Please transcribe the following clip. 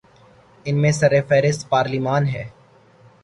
ان میں سر فہرست پارلیمان ہے۔